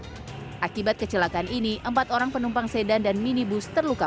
mobil sedan yang rinsek akibat kecelakaan ini empat orang penumpang sedan dan minibus terluka